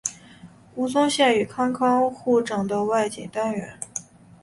吴宗宪与康康互整的外景单元。